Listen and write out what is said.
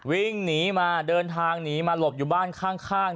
วิ่งหนีมาเดินทางหนีมาหลบอยู่บ้านข้าง